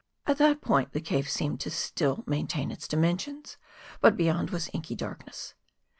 At that point the cave seemed to still maintain its dimensions, but beyond was inky darkness.